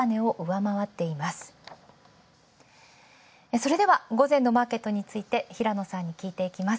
それでは午前のマーケットについて平野さんに聞いていきます。